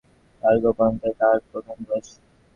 তাহার গোপনতাই তাহার প্রধান রস।